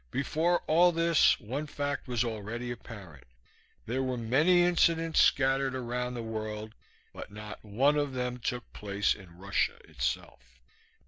before all this, one fact was already apparent. There were many incidents scattered around the world, but not one of them took place in Russia itself.